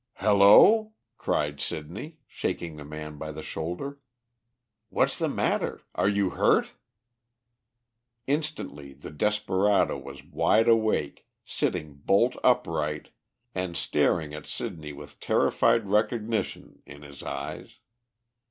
"Hello?" cried Sidney, shaking the man by the shoulder, "what's the matter? Are you hurt?" Instantly the desperado was wide awake, sitting bolt upright, and staring at Sidney with terrified recognition in his eyes.